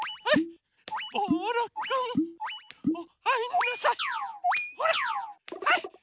はい！